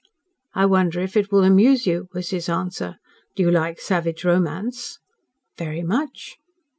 "I wonder if it will amuse you," was his answer. "Do you like savage romance?" "Very much."